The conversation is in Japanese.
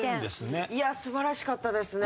いやあ素晴らしかったですね